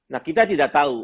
nah kita tidak tahu